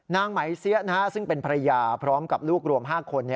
นางไหมเสี้ยซึ่งเป็นภรรยาพร้อมกับลูกรวม๕คน